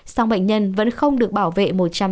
song bệnh nhân vẫn không được bảo vệ một trăm linh